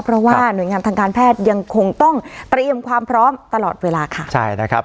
เพราะว่าหน่วยงานทางการแพทย์ยังคงต้องเตรียมความพร้อมตลอดเวลาค่ะใช่นะครับ